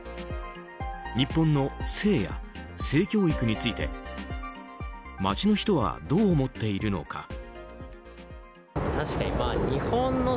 日本の性や性教育について街の人はどう思っているのか。